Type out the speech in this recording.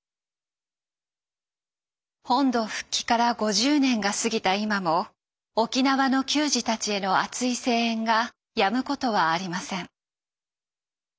本土復帰から５０年が過ぎた今も沖縄の球児たちへの熱い声援がやむことはありません。